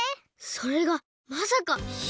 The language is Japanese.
それがまさか姫？